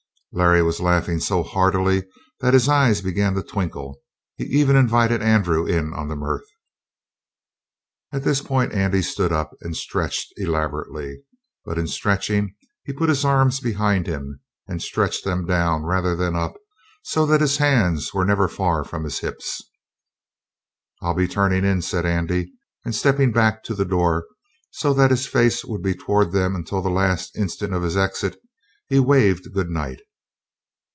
Larry was laughing so heartily that his eyes began to twinkle. He even invited Andrew in on the mirth. At this point Andy stood up and stretched elaborately but in stretching he put his arms behind him, and stretched them down rather than up, so that his hands were never far from his hips. "I'll be turning in," said Andy, and stepping back to the door so that his face would be toward them until the last instant of his exit, he waved good night.